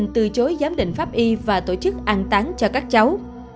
từ chối giám định pháp y và tổ chức ăn tán cho các cháu